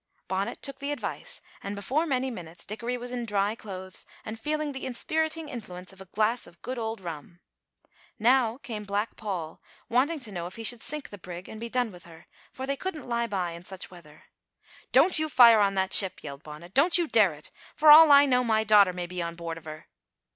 Bonnet took the advice, and before many minutes Dickory was in dry clothes and feeling the inspiriting influence of a glass of good old rum. Now came Black Paul, wanting to know if he should sink the brig and be done with her, for they couldn't lie by in such weather. "Don't you fire on that ship!" yelled Bonnet, "don't you dare it! For all I know, my daughter may be on board of her."